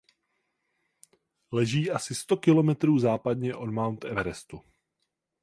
Leží asi sto kilometrů západně od Mount Everestu.